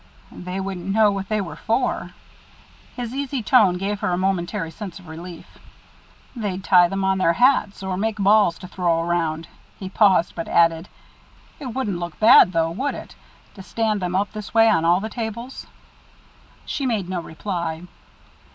"They wouldn't know what they were for." His easy tone gave her a momentary sense of relief. "They'd tie them on their hats, or make balls to throw around." He paused, but added: "It wouldn't look bad, though, would it? to stand them up this way on all the tables." She made no reply.